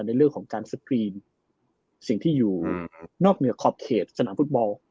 ในเรื่องของการสกรีนสิ่งที่อยู่นอกเหนือขอบเขตสนามฟุตบอล